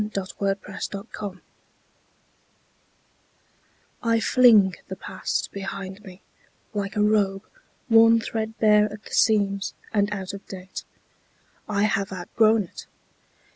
Ella Wheeler Wilcox The Past I FLING the past behind me, like a robe Worn threadbare at the seams, and out of date. I have outgrown it.